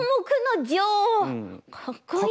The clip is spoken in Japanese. かっこいいな。